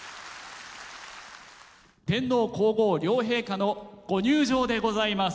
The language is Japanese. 天皇皇后両陛下のご入場でございます。